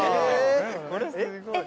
えっ！？